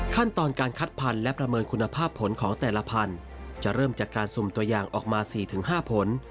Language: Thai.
ขั้นตอนการคัดพันธุ์และประเมินคุณภาพผลของแต่ละพันธุ์จะเริ่มจากการสุ่มตัวอย่างออกมา๔๕ผล